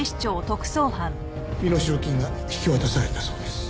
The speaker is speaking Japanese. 身代金が引き渡されたそうです。